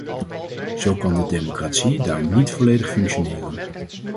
Zo kan de democratie daar niet volwaardig functioneren.